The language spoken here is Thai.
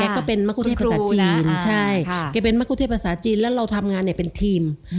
ก็เป็นมะกุเทศภาษาจีนใช่แกเป็นมะกุเทศภาษาจีนแล้วเราทำงานเนี่ยเป็นทีม